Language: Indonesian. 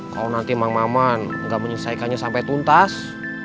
kalau nanti emang maman nggak menyesuaikannya sampai tuntas